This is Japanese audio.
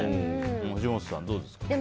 藤本さん、どうですか。